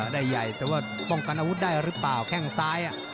ได้ใหญ่แต่ว่าป้องกันอาวุธได้หรือเปล่าแข้งซ้าย